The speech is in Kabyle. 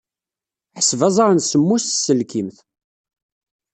Ḥseb aẓar n semmus s tselkimt.